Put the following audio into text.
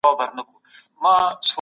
د بدن ورزش د زړه درزا برابروي.